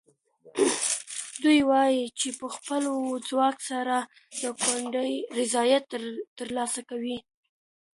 دوی وایي چې په خپل ځواک سره د کونډې رضایت ترلاسه کوي.